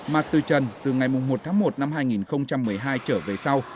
mặt tư chân từ ngày một tháng một năm hai nghìn một mươi hai trở về sau